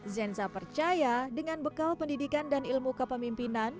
zenza percaya dengan bekal pendidikan dan ilmu kepemimpinan